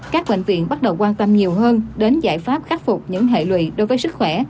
các bệnh viện bắt đầu quan tâm nhiều hơn đến giải pháp khắc phục những hệ lụy đối với sức khỏe